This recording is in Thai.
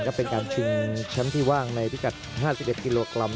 การชิงชั้นที่ว่างในพิกัด๕๑กิโลกรัม